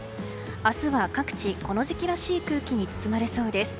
明日は各地、この時期らしい空気に包まれそうです。